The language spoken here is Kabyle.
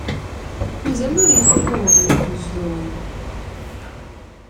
Mazal ur yefri uɣbel n tnezduɣin.